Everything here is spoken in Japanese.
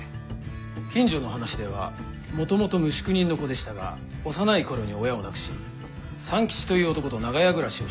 近所の話ではもともと無宿人の子でしたが幼い頃に親を亡くし三吉という男と長屋暮らしをしていたようです。